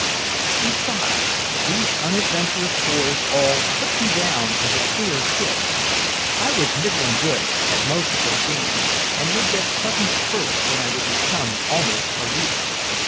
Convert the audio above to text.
Besides, these unadventurous boys all put me down as "a queer kid." I was middling good at most of their games and would get sudden spurts when I would become almost a leader.